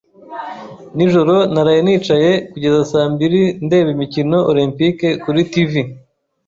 Nijoro naraye nicaye kugeza saa mbiri ndeba imikino Olempike kuri TV.